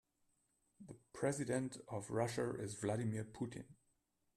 The president of Russia is Vladimir Putin.